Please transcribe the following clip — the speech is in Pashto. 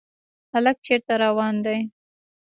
هلک چېرته روان دی ؟